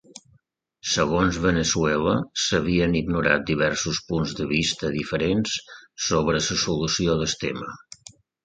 Segons Veneçuela, s'havien ignorat diversos punts de vista diferents sobre la solució del tema.